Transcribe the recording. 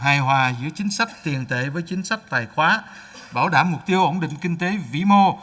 hài hòa giữa chính sách tiền tệ với chính sách tài khoá bảo đảm mục tiêu ổn định kinh tế vĩ mô